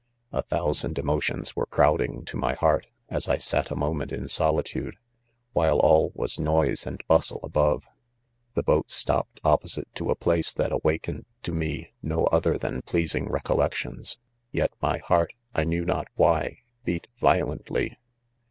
, 1 A thousand emotions were crowding to my heart, as 1 sat a' 'moment in. solitude, while all was noise and bustle abqve. , "The boat stop ped? opposite to a", place, that awakened .to me. no other than* pleasing recollections $ yet my heart,.! knew not why, beat violently